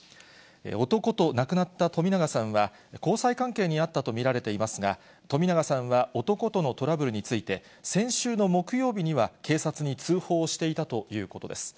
男と亡くなった冨永さんは、交際関係にあったと見られていますが、冨永さんは、男とのトラブルについて、先週の木曜日には警察に通報していたということです。